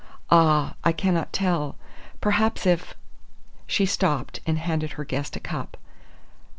"Ah, I cannot tell! Perhaps if " She stopped, and handed her guest a cup.